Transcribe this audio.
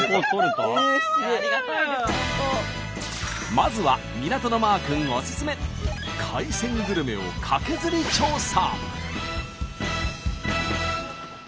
まずは港のマー君おすすめ海鮮グルメをカケズリ調査。